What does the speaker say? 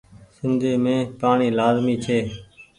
سندي مين پآڻيٚ لآزمي ڇي۔